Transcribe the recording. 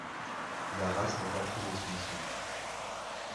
La race n'est pas très expansive.